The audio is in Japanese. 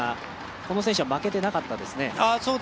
この選手は負けてなかったですね。